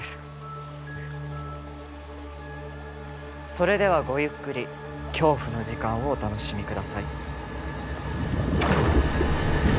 それではごゆっくり恐怖の時間をお楽しみください。